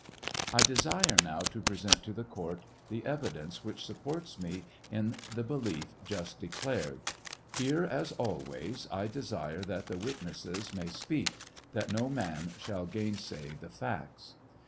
I desire now to present to the court the evidence which supports me in the belief just declared. Here, as always, I desire that the witnesses may speak, that no man shall gainsay the facts.